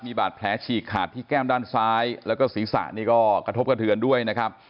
มีบาดแผลฉีกขาดที่แก้มด้านซ้ายแล้วก็ศีรษะนี่ก็กระทบกระเทือนด้วยนะครับ